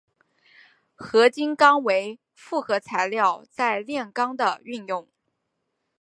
合金钢为复合材料在炼钢的运用。